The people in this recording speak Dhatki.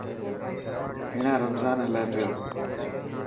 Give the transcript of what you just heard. هيڻا رمضان هلي پيو.